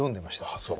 あそう。